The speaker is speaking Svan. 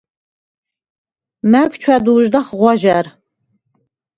მა̈გ ჩვა̈დუ̄ჟდახ ღვაჟა̈რ.